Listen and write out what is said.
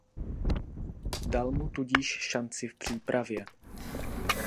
Dal mu tudíž šanci v přípravě.